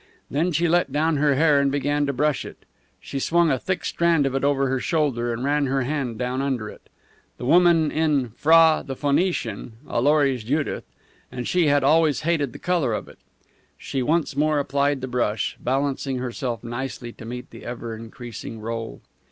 Then she let down her hair and began to brush it. She swung a thick strand of it over her shoulder and ran her hand down under it. The woman in "Phra the Phoenician," Allori's Judith and she had always hated the colour of it! She once more applied the brush, balancing herself nicely to meet the ever increasing roll.